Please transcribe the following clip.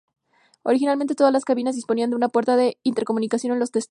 Originalmente todas las cabinas disponían de una puerta de intercomunicación en los testeros.